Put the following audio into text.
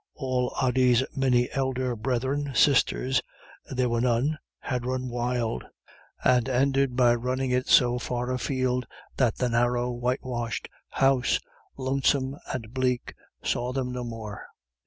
All Ody's many elder brethren sisters there were none had run wild, and ended by running it so far afield that the narrow, whitewashed house, lonesome and bleak, saw them no more.